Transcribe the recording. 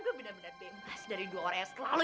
gue benar benar bebas dari dua orang yang selalu